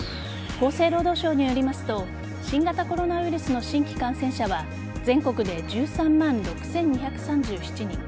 厚生労働省によりますと新型コロナウイルスの新規感染者は全国で１３万６２３７人